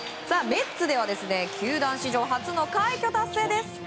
メッツでは球団史上初の快挙達成です。